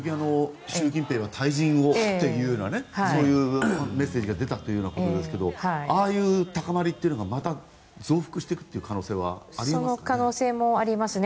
習近平は退陣をというそういうメッセージが出たということですがああいう高まりというのがまた増幅していく可能性はその可能性はありますね。